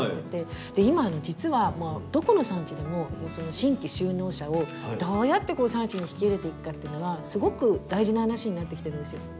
で今実はどこの産地でも新規就農者をどうやって産地に引き入れていくかというのがすごく大事な話になってきてるんですよ。